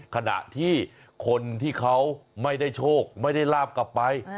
ขณะที่คนที่เขาไม่ได้โชคไม่ได้ลาบกลับไป